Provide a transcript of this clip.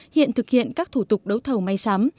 hiện thực hiện các thủ tục đấu thầu may sắm